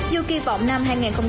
dù kỳ vọng năm hai nghìn hai mươi hai